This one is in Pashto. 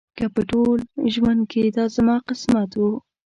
که په ټول ژوند کې دا زما قسمت و.